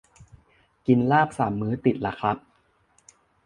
กินลาบสามมื้อติดละครับ